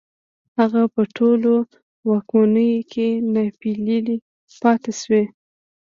هغه په ټولو واکمنيو کې ناپېيلی پاتې شو